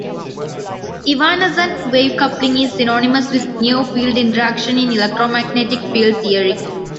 Evanescent-wave coupling is synonymous with near field interaction in electromagnetic field theory.